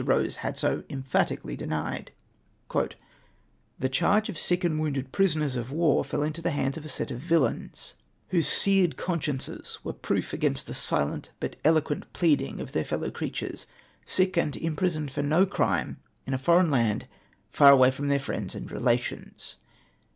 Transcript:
Rose liad so emphatically denied :—" The charge of sick and wounded prisoners of war fell into the hands of a set of villains, whose seared consciences were proof against the silent but eloquent pleading of their fellow creatures — sick and imprisoned for no crime, in a foreign land, far away from their friends and relations."